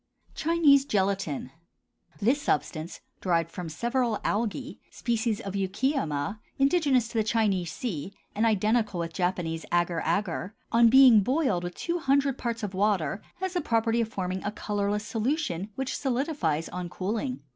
CHINESE GELATIN. This substance, derived from several algæ, species of Eucheuma, indigenous to the Chinese sea, and identical with Japanese agar agar, on being boiled with two hundred parts of water has the property of forming a colorless solution which solidifies on cooling.